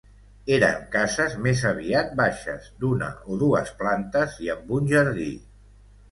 Eren cases més aviat baixes, d'una o dues plantes i amb un jardí.